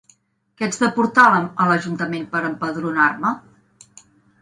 Què haig de portar a l'Ajuntament per empadronar-me?